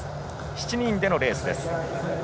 ７人でのレースです。